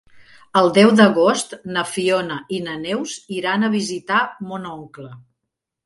El deu d'agost na Fiona i na Neus iran a visitar mon oncle.